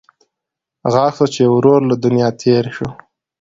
غږ شو چې ورور له دنیا تېر شو.